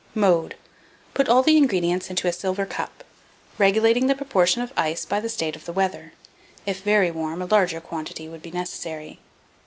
Mode. Put all the ingredients into a silver cup, regulating the proportion of ice by the state of the weather: if very warm, a larger quantity would be necessary.